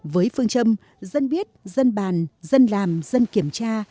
với phương châm dân biết dân bàn dân làm dân kiểm tra